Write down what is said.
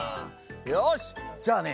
よしじゃあね